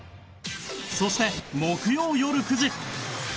そして木曜よる９時。